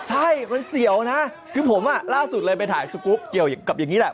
ใช่มันเสียวนะคือผมอ่ะล่าสุดเลยไปถ่ายสกรูปเกี่ยวกับอย่างนี้แหละ